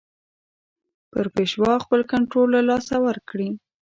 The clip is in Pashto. پر پېشوا خپل کنټرول له لاسه ورکړي.